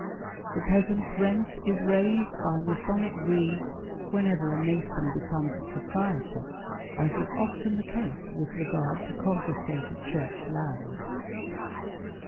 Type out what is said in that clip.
The peasant's rent is raised by Masonic greed whenever a Mason becomes a proprietor, as is often the case with regard to con fiscated church lands.